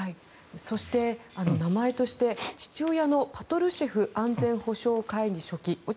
そして、名前として父親のパトルシェフ安全保障会議書記を